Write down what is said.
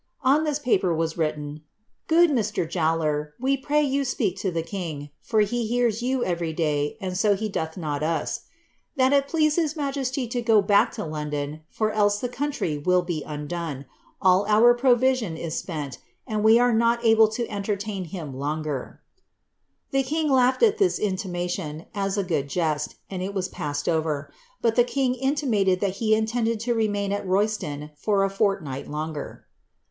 On this paper was written, 'Good Mr. Joirle;, we pray yoii speak to the king, (lor he hears you everv dav. anil so h( dolh not us,) that it please his majesty to go back to London. I'nr ei^^ tlie country will be undone; all our provision is spent, and we are n<''t able to entertain him longer,'" The king laughed at this iniimaiion. i? a good jest, and it was passed over; but the king intimated that m intended to remain at Rovston for a forliiighl longer.'